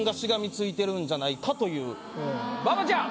馬場ちゃん